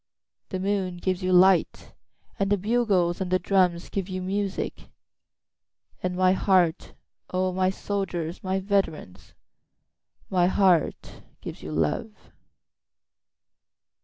9The moon gives you light, And the bugles and the drums give you music; And my heart, O my soldiers, my veterans, My heart gives you love.